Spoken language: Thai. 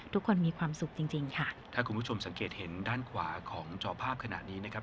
ทุกคนมีความสุขจริงจริงค่ะถ้าคุณผู้ชมสังเกตเห็นด้านขวาของจอภาพขณะนี้นะครับ